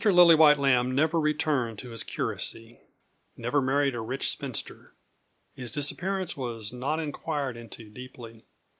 Lillywhite Lambe never returned to his curacy, never married a rich spinster. His disappearance was not inquired into deeply.